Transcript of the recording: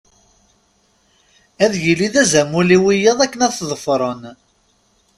Ad yili d azamul i wiyaḍ akken ad t-ḍefren.